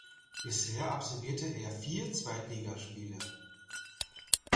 Bisher absolvierte er vier Zweitligaspiele.